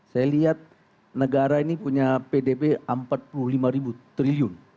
saya lihat negara ini punya pdb empat puluh lima triliun